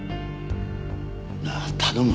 なあ頼む。